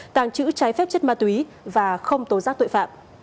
tàng trữ trái phép chất ma túy và không tố giác tội phạm